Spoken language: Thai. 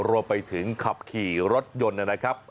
รวมไปถึงขับขี่รถยนต์นะครับ